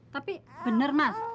tapi bener mas